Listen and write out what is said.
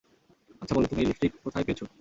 আচ্ছা বলো, তুমি এই লিপস্টিক কোথায় পেয়েছো?